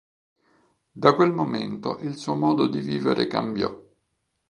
Da quel momento il suo modo di vivere cambiò.